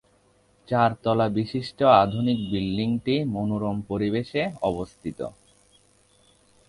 চারতলা বিশিষ্ট আধুনিক বিল্ডিংটি মনোরম পরিবেশে অবস্থিত।